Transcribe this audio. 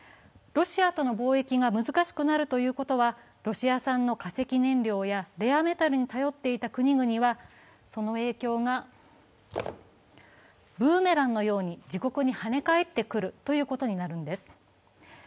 ロシアとの貿易が難しくなるということは、ロシア産の化石燃料やレアメタルに頼っていた国々はその影響がブーメランのように自国に跳ね返ってくるということになるんです。